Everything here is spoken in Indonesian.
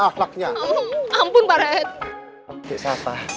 ahlaknya ampun para